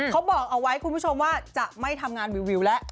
เขาบอกเอาไว้คุณผู้ชมว่าจะไม่ทำงานวิวแล้ว